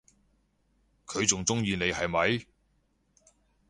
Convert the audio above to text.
佢仲鍾意你係咪？